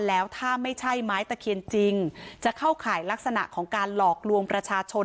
แล้วถ้าไม่ใช่ไม้ตะเคียนจริงจะเข้าข่ายลักษณะของการหลอกลวงประชาชน